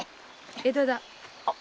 江戸だ。